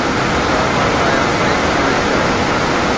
carbon dioxide خارج ڪرڻ